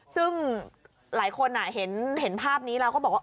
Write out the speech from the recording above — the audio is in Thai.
ซึ่งหลายคนเห็นภาพนี้แล้วก็บอกว่า